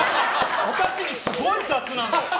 私にすごい雑なの。